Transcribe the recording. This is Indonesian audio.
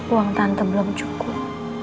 uang tante belum cukup